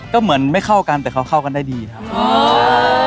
ก็เหมือนไม่เข้ากันแต่เขาเข้ากันได้ดีครับ